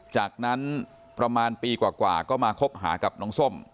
จากนั้นประมาณปีกว่าก็มาคบหากับน้องส้ม